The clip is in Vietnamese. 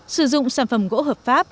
sử dụng sản phẩm gỗ hợp pháp